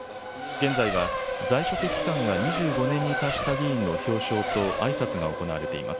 現在は、在職期間が２５年に達した議員の表彰とあいさつが行われています。